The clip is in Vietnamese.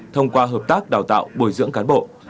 thông qua hợp tác đào tạo bồi dưỡng cán bộ